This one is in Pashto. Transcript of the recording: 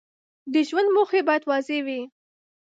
د ژوند موخې باید واضح وي.